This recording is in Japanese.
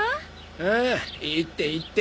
ああいいっていいって。